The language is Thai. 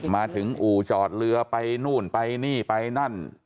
มาถึงอู่จอดเรือไปนู่นไปนี่ไปนั่น